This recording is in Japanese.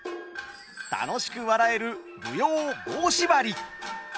楽しく笑える舞踊「棒しばり」。